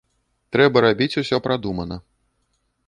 Трэба рабіць усё прадумана.